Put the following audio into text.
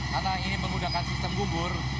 karena ini menggunakan sistem gubur